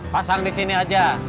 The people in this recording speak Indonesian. pasang di sini aja